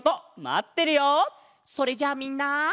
それじゃあみんな。